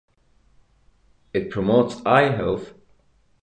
It promotes eye health.